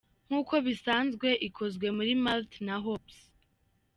Nk'uko bisanzwe ikozwe muri Malt na Hops.